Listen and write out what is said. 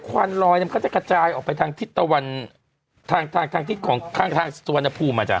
ควันลอยมันก็จะกระจายออกไปทางทิศตะวันทางทางทิศของข้างทางสวรรณภูมิอ่ะจ้